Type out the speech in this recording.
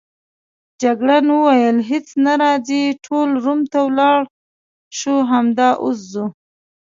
جګړن وویل: هیڅ نه، راځئ ټول روم ته ولاړ شو، همدا اوس ځو.